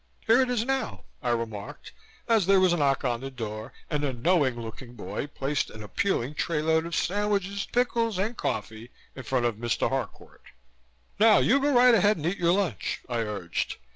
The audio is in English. "Here it is now," I remarked, as there was a knock on the door and a knowing looking boy placed an appealing tray load of sandwiches, pickles and coffee in front of Mr. Harcourt. "Now you go right ahead and eat your lunch," I urged.